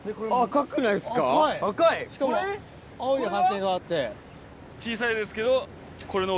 しかも青い斑点があって。